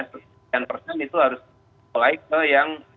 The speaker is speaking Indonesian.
sekian persen itu harus mulai ke yang